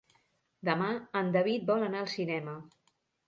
Demà en David vol anar al cinema.